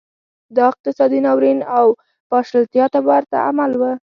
دا اقتصادي ناورین او پاشلتیا ته ورته عمل و